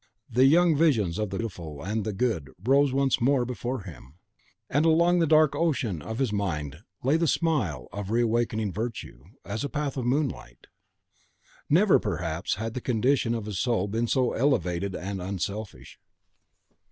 The young visions of the Beautiful and the Good rose once more before him; and along the dark ocean of his mind lay the smile of reawakening virtue, as a path of moonlight. Never, perhaps, had the condition of his soul been so elevated and unselfish.